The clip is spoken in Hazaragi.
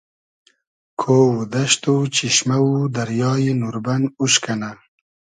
کۉ و دئشت و چیشمۂ و دریای نوربئن اوش کئنۂ